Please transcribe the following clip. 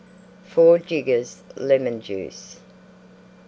4 jiggers Lemon Juice.